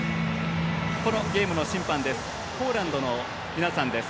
このゲームの審判はポーランドの皆さんです。